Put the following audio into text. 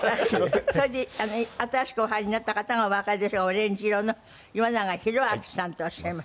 それで新しくお入りになった方がおわかりでしょうがオレンジ色の岩永洋昭さんとおっしゃいます。